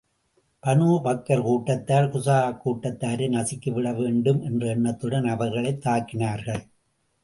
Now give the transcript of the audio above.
Banu Bakr கூட்டத்தார், Khuza'a கூட்டத்தாரை நசுக்கி விட வேண்டும் என்ற எண்ணத்துடன் அவர்களைத் தாக்கினார்கள்.